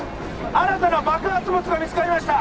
新たな爆発物が見つかりました